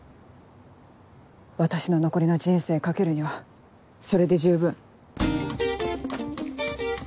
私の残りの人生懸けるにはそれで十分。